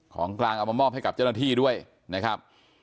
ของกลางเอามามอบให้กับเจ้าหน้าที่ด้วยนะครับ